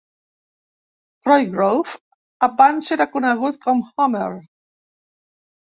Troy Grove abans era conegut com Homer.